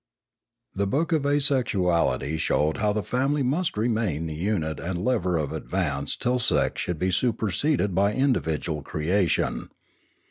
The book of Asexuality showed how the family must remain the unit and lever of advance till sex should be superseded by individual creation.